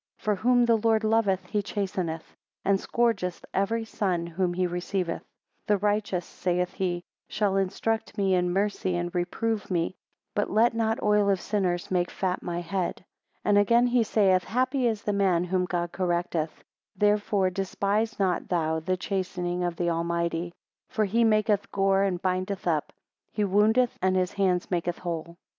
For whom the Lord loveth he chasteneth, and scourgeth every son whom he receiveth. 6 The righteous, saith he, shall instruct me in mercy and reprove me; but let not oil of sinners make fat my head. 7 And again he saith, Happy is the man whom God correcteth; therefore despise not thou the chastening of the Almighty. 8 For he maketh gore and bindeth up; he woundeth and his hands make whole.